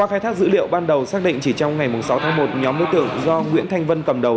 kết định chỉ trong ngày sáu tháng một nhóm đối tượng do nguyễn thành vân cầm đầu